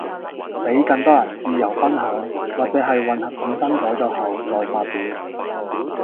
比更多人自由分享，或者係混合衍生改作後再發表